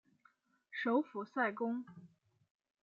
首府塞公。